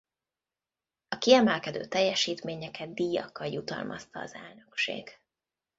A kiemelkedő teljesítményeket díjakkal jutalmazta az elnökség.